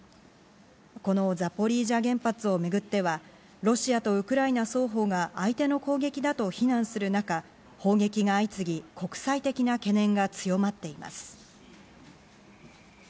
このザポリージャ原発を巡っては、ロシアとウクライナ双方が相手の攻撃だと非難する中、砲撃が相次ぎ、国際的な懸念が強まっています。